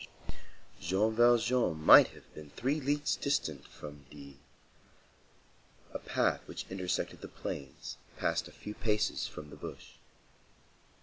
Jean Valjean might have been three leagues distant from D—— A path which intersected the plain passed a few paces from the bush.